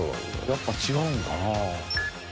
やっぱ違うんかな？